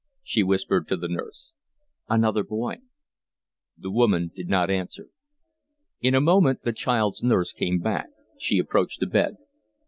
she whispered to the nurse. "Another boy." The woman did not answer. In a moment the child's nurse came back. She approached the bed.